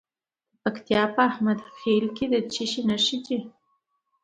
د پکتیا په احمد خیل کې د څه شي نښې دي؟